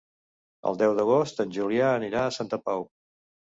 El deu d'agost en Julià anirà a Santa Pau.